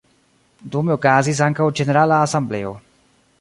Dume okazis ankaŭ ĝenerala asembleo.